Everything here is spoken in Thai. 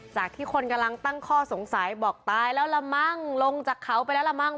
จากที่คนกำลังตั้งข้อสงสัยบอกตายแล้วละมั้งลงจากเขาไปแล้วละมั้ง